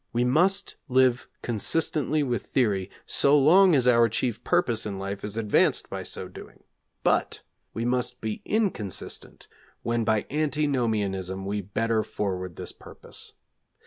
We must live consistently with theory so long as our chief purpose in life is advanced by so doing, but we must be inconsistent when by antinomianism we better forward this purpose.